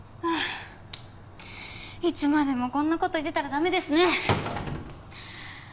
いつまでもこんな事言ってたら駄目ですね。